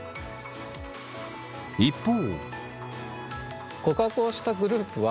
一方。